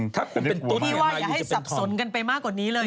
ถ้าคุณเป็นตุ๊ดมายูจะเป็นธรรมพี่ว่าอย่าให้สับสนกันไปมากกว่านี้เลย